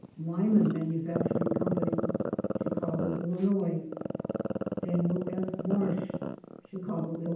Lyman Manufacturing Co., Chicago, Ill. Daniel S. Marsh, Chicago, Ill.